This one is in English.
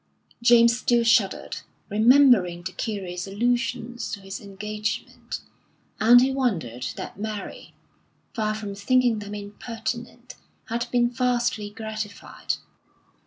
James still shuddered, remembering the curate's allusions to his engagement; and he wondered that Mary, far from thinking them impertinent, had been vastly gratified.